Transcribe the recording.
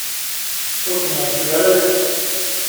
Ur ken-yeɛjib ara lḥal.